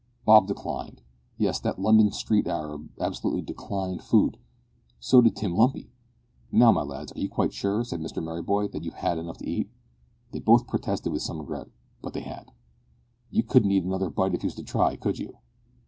Bob declined. Yes, that London street arab absolutely declined food! So did Tim Lumpy! "Now, my lads, are you quite sure," said Mr Merryboy, "that you've had enough to eat?" They both protested, with some regret, that they had. "You couldn't eat another bite if you was to try, could you?"